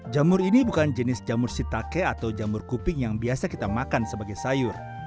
jamur ini bukan jenis jamur sitake atau jamur kuping yang biasa kita makan sebagai sayur